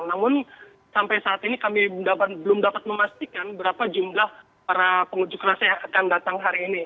namun sampai saat ini kami belum dapat memastikan berapa jumlah para pengunjuk rasa yang akan datang hari ini